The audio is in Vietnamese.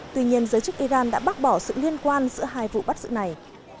tuy nhiên giới chức iran đã bác bỏ sự liên quan giữa hai vụ bắt giữ này